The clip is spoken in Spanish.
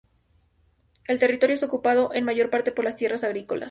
El territorio es ocupado en mayor parte por las tierras agrícolas.